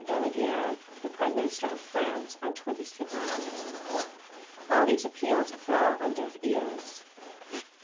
Daladier, the Prime Minister of France, on 26 August. All these appeals fell on deaf ears.